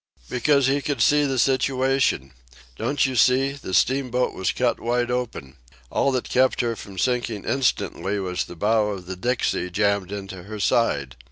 "Because he could see the situation. Don't you see, the steamboat was cut wide open. All that kept her from sinking instantly was the bow of the Dixie jammed into her side.